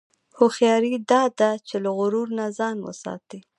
هوښیاري دا ده چې له غرور نه ځان وساتې.